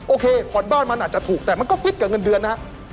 โอเคผ่อนบ้านมันอาจจะถูกแต่มันก็ฟิตกับเงินเดือนนะฮะ